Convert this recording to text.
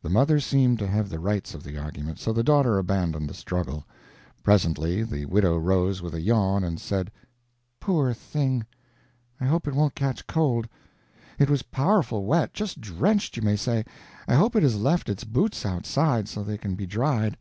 The mother seemed to have the rights of the argument, so the daughter abandoned the struggle. Presently the widow rose with a yawn and said: "Poor thing, I hope it won't catch cold; it was powerful wet, just drenched, you may say. I hope it has left its boots outside, so they can be dried."